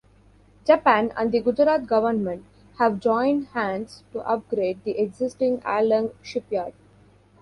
Japan and the Gujarat government have joined hands to upgrade the existing Alang shipyard.